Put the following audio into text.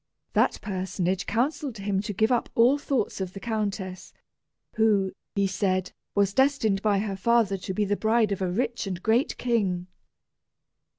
That personage counselled him to give up all thoughts of the countess, who, he said, was destined by her father to be the bride of a rich and great king.